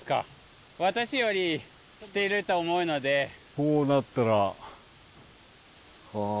こうなったら。ねぇ。